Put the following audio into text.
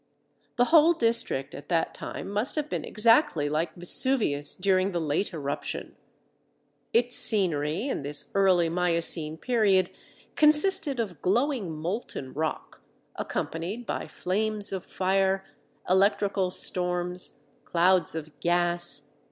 The whole district at that time must have been exactly like Vesuvius during the late eruption. Its scenery in this early miocene period consisted of glowing molten rock, accompanied by flames of fire, electrical storms, clouds of gas, dust, ashes, and superheated steam.